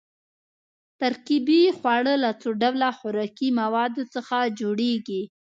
ترکیبي خواړه له څو ډوله خوراکي موادو څخه جوړیږي.